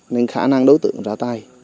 nên khả năng đối tượng ra tay